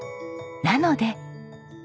なので。